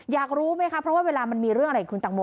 อยากรู้ไหมคะเพราะว่าเวลามันมีเรื่องอะไรกับคุณตังโม